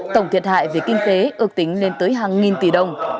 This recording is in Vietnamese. tổng thiệt hại về kinh tế ước tính lên tới hàng nghìn tỷ đồng